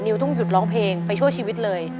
ต้องหยุดร้องเพลงไปชั่วชีวิตเลย